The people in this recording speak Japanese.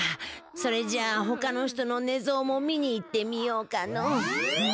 それじゃあほかの人の寝相も見に行ってみようかのう。